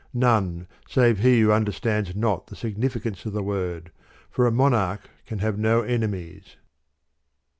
'"^ None save he who understands not the significance of the word, for a Monarch can have no enemies.